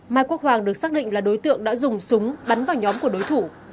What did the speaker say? mai quốc hoàng được xác định là đối tượng đã dùng súng bắn vào nhóm của đối thủ